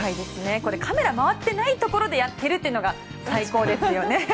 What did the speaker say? これカメラ回ってないところでやってるっていうのが最高ですよね。